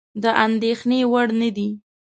د اندېښنې وړ نه دي.